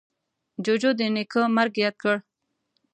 جوجو د نیکه مرگ ياد کړ.